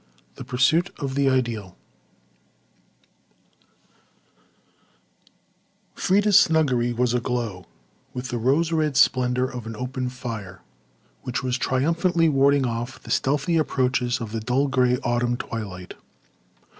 The Pursuit of the IdealToC Freda's snuggery was aglow with the rose red splendour of an open fire which was triumphantly warding off the stealthy approaches of the dull grey autumn twilight.